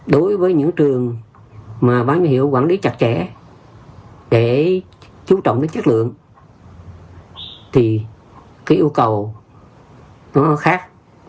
đối với những trường mà ban giám hiệu quản lý chặt chẽ để chú trọng đến chất lượng thì cái yêu cầu nó khác